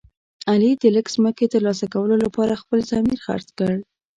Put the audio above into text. علي د لږ ځمکې تر لاسه کولو لپاره خپل ضمیر خرڅ کړ.